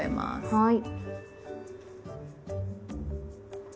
はい。